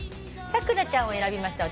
さくらちゃんを選びました